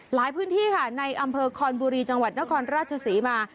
หลายพื้นที่ค่ะในอำเภอคอนบุรีจังหวัดนครราชศรีมา